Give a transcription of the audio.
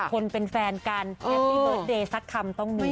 คนเป็นแฟนกันแฮปปี้เบิร์ตเดย์สักคำต้องมี